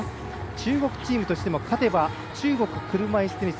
中国チームとしても勝てば中国車いすテニス